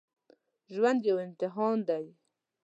ژوند یو امتحان دی